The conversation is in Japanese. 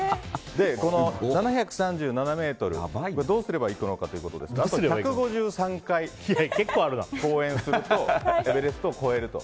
この７３７ｍをどうすればいいのかというとあと１５３回公演するとエベレストを超えると。